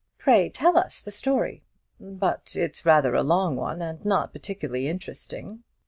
"Pray tell us the story." "But it's rather a long one, and not particularly interesting."